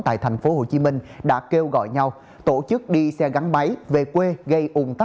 tại thành phố hồ chí minh đã kêu gọi nhau tổ chức đi xe gắn máy về quê gây ủng hộ